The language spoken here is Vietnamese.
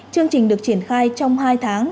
chương trình được triển khai trong hai tháng